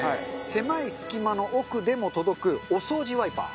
狭い隙間の奥でも届くお掃除ワイパー。